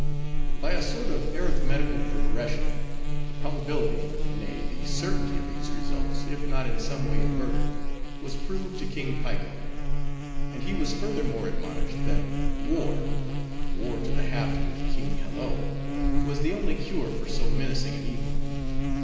By a sort of arithmetical progression, the probability, nay, the certainty of these results, if not in some way averted, was proved to King Piko; and he was furthermore admonished, that war—war to the haft with King Hello—was the only cure for so menacing an evil.